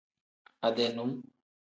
Ade num.